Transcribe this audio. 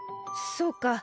そうか。